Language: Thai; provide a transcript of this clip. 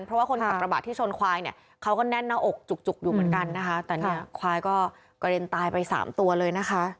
เพราะว่าคนตามประบาดที่ชนควาย